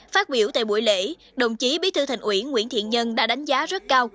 phát biểu tại buổi lễ đồng chí bí thư thành ủy nguyễn thiện nhân đã đánh giá rất cao